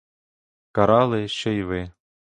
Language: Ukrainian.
Карали, що й ви.